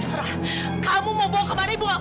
saya sudah ingat